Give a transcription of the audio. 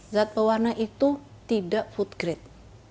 zat pewarna itu tidak food grade